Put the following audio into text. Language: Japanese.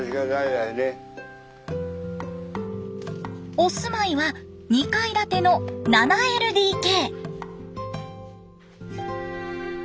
お住まいは２階建ての７ＬＤＫ。